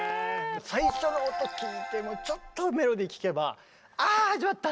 最初の音聞いてちょっとメロディー聞けば「あ始まった！」。